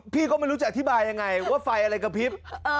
ก็ไม่รู้จะอธิบายยังไงว่าไฟอะไรกระพริบ